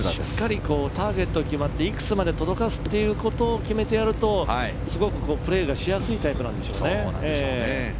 しっかりターゲット決まっていくつまで届かすということを決めてやるとすごくプレーしやすいタイプなんでしょうね。